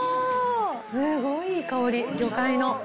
すごいいい香り、魚介の。